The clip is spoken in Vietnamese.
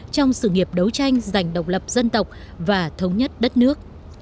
trong sự nghiệp đấu tranh giành độc lập dân tộc và thống nhất đất nước